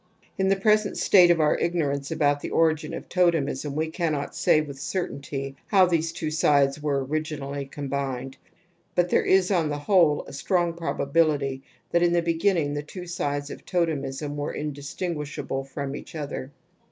In the present state of our ignor ance about the origin of totemism we cannot say with certainty how these two sides were origin ally combined. But there is on the whole a strong probability that in the beginning the two sides of totemism were indistinguishable from each other.